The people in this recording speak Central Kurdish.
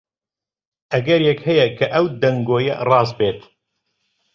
ئەگەرێک هەیە کە ئەو دەنگۆیە ڕاست بێت.